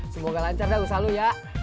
semoga lancar dah usah lo ya